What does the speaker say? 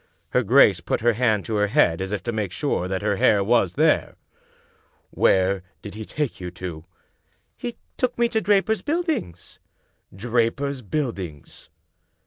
Her grace put her hand to her head as if to make sure that her hair was there. "Where did he take you to?" " He took me to Draper's Buildings." "Draper's Buildings?"